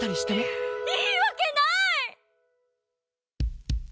いいわけない！